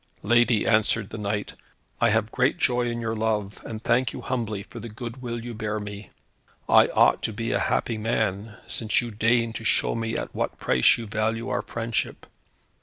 "Lady," answered the knight, "I have great joy in your love, and thank you humbly for the goodwill you bear me. I ought indeed to be a happy man, since you deign to show me at what price you value our friendship.